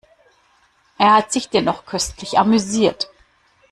Er hat sich dennoch köstlich amüsiert.